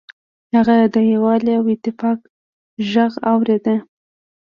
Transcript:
هغه د یووالي او اتفاق غږ اوریده.